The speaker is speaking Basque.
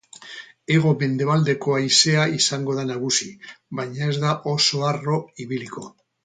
Hego-mendebaldeko haizea izango da nagusi, baina ez da oso harro ibiliko.